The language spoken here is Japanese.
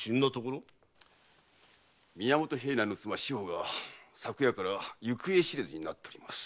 宮本平内の妻・志保が昨夜から行方知れずになっております。